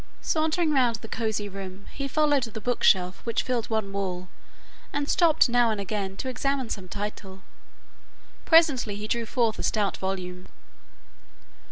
Sauntering round the cosy room he followed the bookshelf which filled one wall and stopped now and again to examine some title. Presently he drew forth a stout volume.